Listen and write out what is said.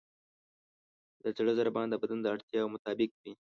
د زړه ضربان د بدن د اړتیاوو مطابق وي.